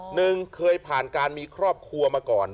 หนึ่งเคยผ่านการมีครอบครัวมาก่อน